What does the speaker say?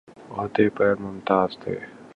عہدہ پر ممتاز تھے